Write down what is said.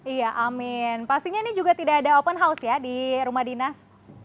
iya amin pastinya ini juga tidak ada open house ya di rumah dinas